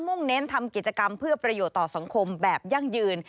่งเน้นทำกิจกรรมเพื่อประโยชน์ต่อสังคมแบบยั่งยืน